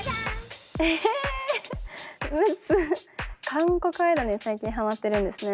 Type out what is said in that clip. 韓国アイドルに最近はまってるんですね。